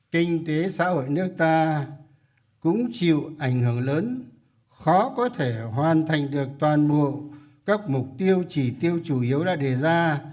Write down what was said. kinh tế xã hội nước ta cũng chịu ảnh hưởng lớn khó có thể hoàn thành được toàn bộ các mục tiêu chỉ tiêu chủ yếu đã đề ra